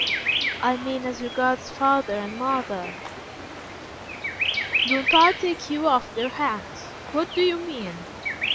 "I mean as regards father and mother." "Don't I take you off their hands? What do you mean?"